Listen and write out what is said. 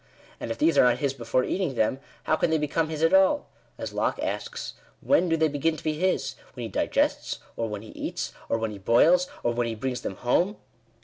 And if these are not his before eating them, how can they become his at all ? As Locke asks, " when do they begin to be his ? when he digests ? or when he eats ? or when he boils ? or when he brings them home